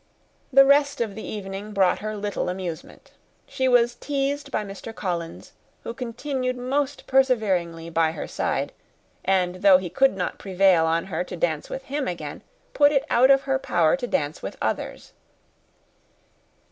The rest of the evening brought her little amusement. She was teased by Mr. Collins, who continued most perseveringly by her side; and though he could not prevail with her to dance with him again, put it out of her power to dance with others.